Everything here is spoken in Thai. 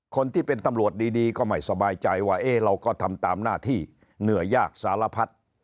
คนที่เป็นตำรวจดีก็ไม่สบายใจว่าเราก็ทำตามหน้าที่เหนื่อยยากสารพัด